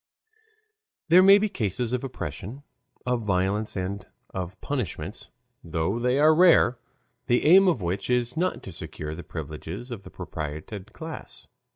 There may be cases of oppression, of violence, and of punishments, though they are rare, the aim of which is not to secure the privileges of the propertied classes.